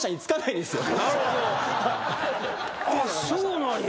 あっそうなんや。